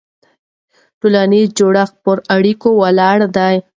ټولنیز جوړښت پر اړیکو ولاړ وي.